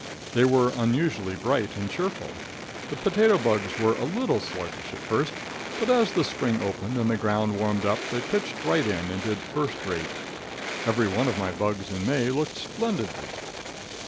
They were unusually bright and cheerful. The potato bugs were a little sluggish at first, but as the spring opened and the ground warmed up they pitched right in, and did first rate. Every one of my bugs in May looked splendidly.